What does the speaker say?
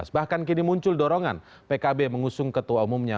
bahkan kini muncul dorongan pkb mengusung ketua umumnya